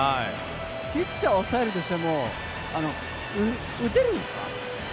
ピッチャーは抑えるとしても打てるんですか。